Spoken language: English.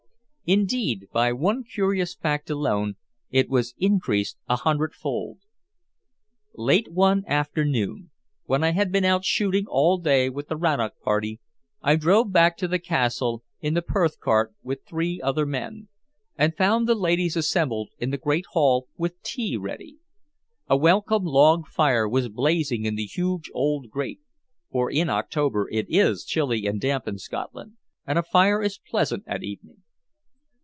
Indeed, by one curious fact alone it was increased a hundredfold. Late one afternoon, when I had been out shooting all day with the Rannoch party, I drove back to the castle in the Perth cart with three other men, and found the ladies assembled in the great hall with tea ready. A welcome log fire was blazing in the huge old grate, for in October it is chilly and damp in Scotland and a fire is pleasant at evening.